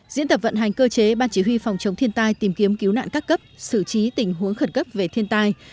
diễn tập vận hành cơ chế ban chỉ huy phòng chống thiên tai tìm kiếm cứu nạn các cấp xử trí tình huống khẩn cấp về thiên tai